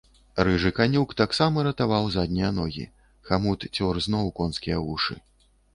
Рыжы канюк таксама ратаваў заднія ногі, хамут цёр зноў конскія вушы.